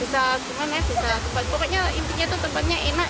bisa tempat tempatnya enak